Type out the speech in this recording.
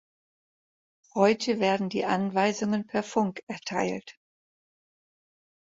Heute werden die Anweisungen per Funk erteilt.